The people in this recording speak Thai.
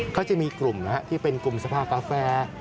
เขาจะมีกลุ่มที่เป็นกลุ่มสภากาแฟ